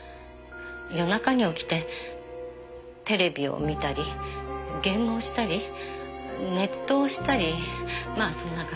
夜中に起きてテレビを見たりゲームをしたりネットをしたりまあそんな感じで。